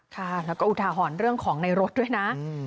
ค่ะแล้วก็อุทาหรณ์เรื่องของในรถด้วยนะ